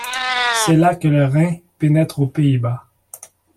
C’est là que le Rhin pénètre aux Pays-Bas.